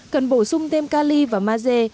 cần bổ sung thêm cali và maze